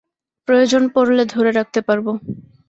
প্রয়োজন পড়লে ধরে রাখতে পারবো।